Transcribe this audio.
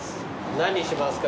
何にしますか？